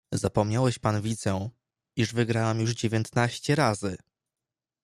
"Zapomniałeś pan widzę, iż wygrałem już dziewiętnaście razy!"